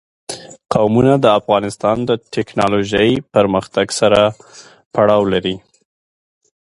قومونه د افغانستان د تکنالوژۍ پرمختګ سره تړاو لري.